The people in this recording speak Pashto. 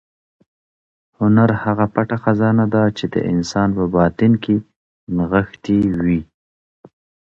هنر هغه پټه خزانه ده چې د انسان په باطن کې نغښتې وي.